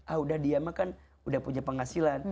ah udah dia mah kan udah punya penghasilan